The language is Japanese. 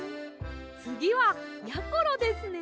つぎはやころですね。